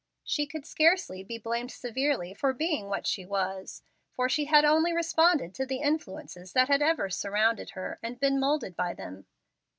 She could scarcely be blamed severely for being what she was, for she had only responded to the influences that had ever surrounded her, and been moulded by them.